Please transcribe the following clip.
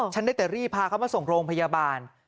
ฉันได้แต่รีบพาเขามาส่งโรงพยาบาล